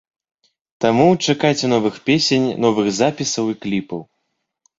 Таму чакайце новых песень, новых запісаў і кліпаў!